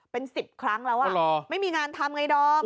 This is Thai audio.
เป็น๑๐ครั้งแล้วไม่มีงานทำไงดอม